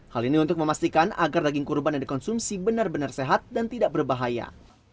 hal ini untuk memastikan agar daging kurban yang dikonsumsi benar benar sehat dan tidak berbahaya